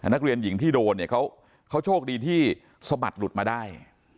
นักเรียนหญิงที่โดนเขาโชคดีที่สมัติหลุดมาได้